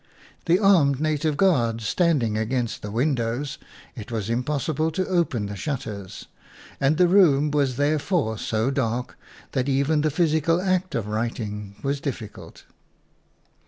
The armed native guards stand ing against the windows, it was impos sible to open the shutters, and the room FOREWORD was therefore so dark that even the physical act of writing was difficult.